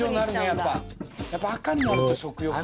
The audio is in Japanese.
やっぱ赤になると食欲が。